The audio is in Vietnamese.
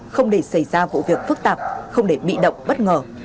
không để xảy ra vụ việc phức tạp không để bị động bất ngờ